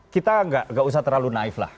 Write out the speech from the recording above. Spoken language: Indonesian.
kita nggak usah terlalu naif lah